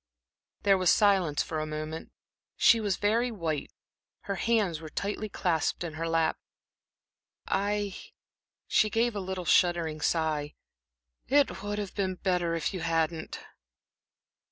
There was silence for a moment. She was very white, her hands were tightly clasped in her lap. "I" she gave a little shuddering sigh "it would have been better if you hadn't."